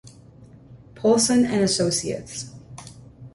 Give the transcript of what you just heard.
Poulson and Associates.